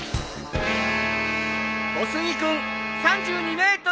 小杉君３２ｍ。